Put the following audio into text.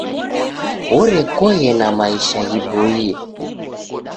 Orekoghe na maisha ghiboie.